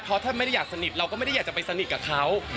เพราะถ้าไม่ได้อยากสนิทเราก็ไม่ได้อยากจะไปสนิทกับเขา